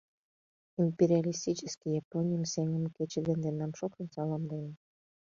Империалистический Японийым сеҥыме кече дене тендам шокшын саламлем.